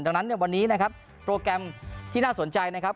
ดังนั้นเนี่ยวันนี้นะครับโปรแกรมที่น่าสนใจนะครับ